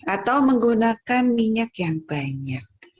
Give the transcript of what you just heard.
atau menggunakan minyak yang banyak